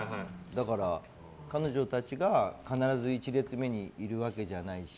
だから彼女たちが必ず１列目にいるわけじゃないし。